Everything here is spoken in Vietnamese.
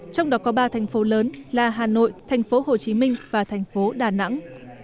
trong đó có ba thành phố lớn là hà nội thành phố hồ chí minh và thành phố đà nẵng